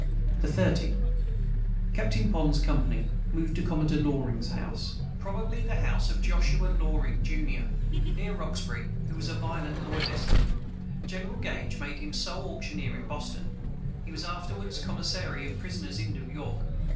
the 30. Captain Ponds company moved to comodore Lorings house. [Footnote 117: Probably the house of Joshua Loring, jr., near Roxbury, who was a violent loyalist. General Gage made him sole auctioneer in Boston. He was afterward commissary of prisoners in New York.